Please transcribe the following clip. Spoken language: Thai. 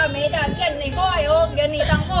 เมื่อเมื่อเมื่อ